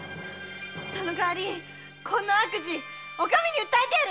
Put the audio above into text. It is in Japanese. その代わりこの悪事お上に訴えてやる！